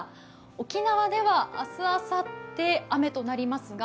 沖縄では明日、あさって、雨となりますが、